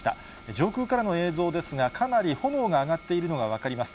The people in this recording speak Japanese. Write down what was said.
上空からの映像ですが、かなり炎が上がっているのが分かります。